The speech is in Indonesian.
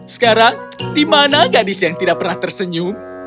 sekarang di mana gadis yang tidak pernah tersenyum